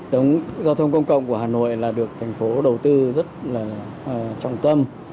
tổng giao thông công cộng của hà nội là được thành phố đầu tư rất là trọng tâm